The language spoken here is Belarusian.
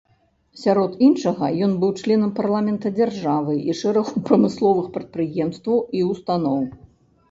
Сярод іншага, ён быў членам парламента дзяржавы і шэрагу прамысловых прадпрыемстваў і ўстаноў.